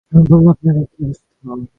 আমি বললাম, আপনার এ কী অবস্থা!